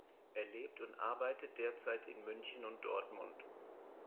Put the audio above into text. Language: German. Er lebt und arbeitet derzeit in München und Dortmund.